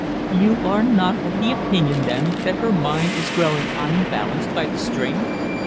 "You are not of opinion, then, that her mind is growing unbalanced by the strain?"